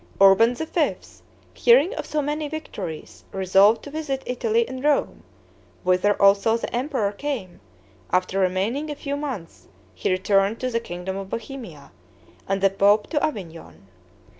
Urban V., hearing of so many victories, resolved to visit Italy and Rome, whither also the emperor came; after remaining a few months, he returned to the kingdom of Bohemia, and the pope to Avignon.